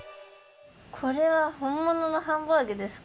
これはほんもののハンバーグですか？